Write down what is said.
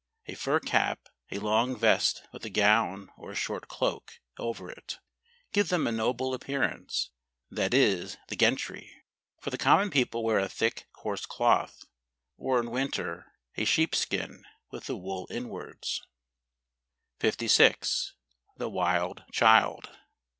A fur cap, a long vest, with a gown, or a short cloak, over it, give them a noble appearance—that is, the gentry; for the common people wear a thick coarse cloth ; or in winter, a sheep skin, with the wool inwards. 56. The Wild Child.